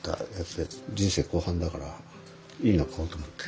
人生後半だからいいの買おうと思って。